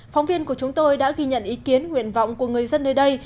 phóng viên của chúng tôi đã ghi nhận ý kiến nguyện vọng của người dân nơi đây